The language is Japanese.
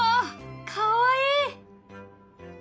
かわいい。